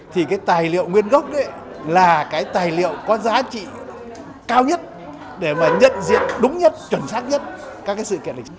thì cái tài liệu nguyên gốc đấy là cái tài liệu có giá trị cao nhất để mà nhận diện đúng nhất chuẩn xác nhất các cái sự kiện lịch sử